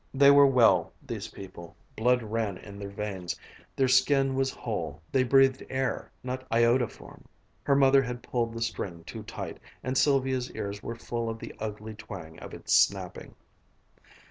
They were well, these people, blood ran in their veins, their skin was whole, they breathed air, not iodoform! Her mother had pulled the string too tight, and Sylvia's ears were full of the ugly twang of its snapping.